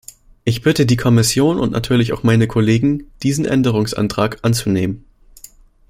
Ich bitte die Kommission und natürlich auch meine Kollegen, diesen Änderungsantrag anzunehmen.